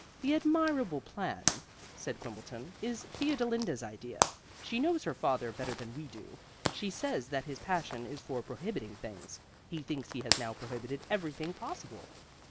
"The admirable plan," said Quimbleton, "is Theodolinda's idea. She knows her father better than we do. She says that his passion is for prohibiting things. He thinks he has now prohibited everything possible.